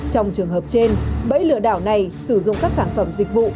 trong trường hợp trên bẫy lừa đảo này sử dụng các sản phẩm dịch vụ